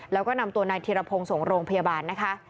แล้วก็นำตัวนายธิรพงศ์ส่งโรงพยาบาลนะคะ